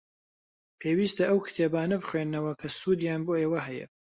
پێویستە ئەو کتێبانە بخوێننەوە کە سوودیان بۆ ئێوە هەیە.